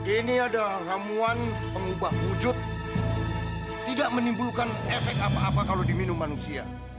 ini ada ramuan pengubah wujud tidak menimbulkan efek apa apa kalau diminum manusia